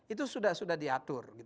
itu sudah diatur